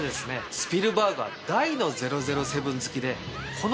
スピルバーグは大の『００７』好きでこの。